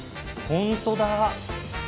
本当だ。